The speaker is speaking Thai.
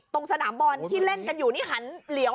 สนามบอลที่เล่นกันอยู่นี่หันเหลียว